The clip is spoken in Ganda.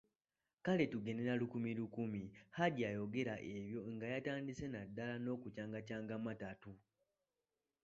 Kale tugende olukumilukumi, Haji yayogera ebyo nga yatandise na dda n'okucangacanga amatatu.